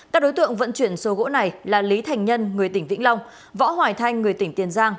các đối tượng vận chuyển số gỗ này là lý thành nhân người tỉnh vĩnh long võ hoài thanh người tỉnh tiền giang